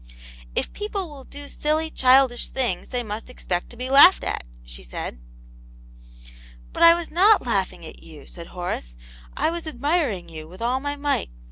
.•* If people will do silly, childish things, they must expect to be laughed at," she said. *.*' But I was not laughing at you," said Horace ;*' I was admiring you with all my. might."